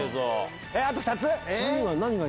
あと２つ？